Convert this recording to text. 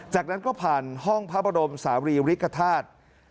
จากนั้นก็ผ่านห้องพระบรมศาลีริกฐาตุ